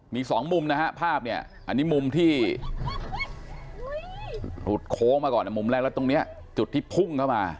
มีสองมุมนะฮะภาพเนี่ยอันนี้มุมที่หลุดโค้งมาก่อนมุมแรกแล้วตรงนี้จุดที่พุ่งเข้ามา